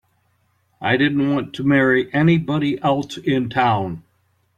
I didn't want to marry anybody else in town.